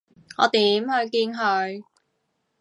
我點去見佢？